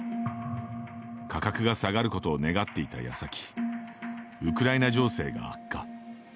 価格が下がることを願っていたやさき、ウクライナ情勢が悪化。